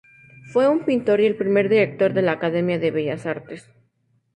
Fue un pintor y el primer Director de la Academia de Bellas Artes.